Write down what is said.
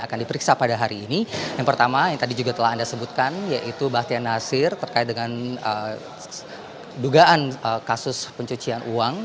akan diperiksa pada hari ini yang pertama yang tadi juga telah anda sebutkan yaitu bahtian nasir terkait dengan dugaan kasus pencucian uang